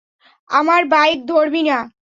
আমার বাইক ধরবি না।